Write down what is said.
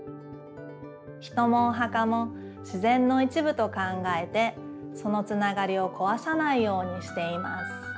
人もお墓も自然のいちぶと考えてそのつながりをこわさないようにしています。